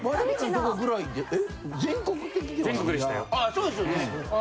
そうですよね。